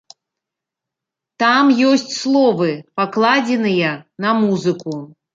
Там ёсць словы, пакладзеныя на музыку.